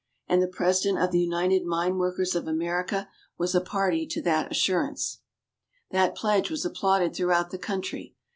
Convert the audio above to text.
And the President of the United Mine workers of America was a party to that assurance. That pledge was applauded throughout the country.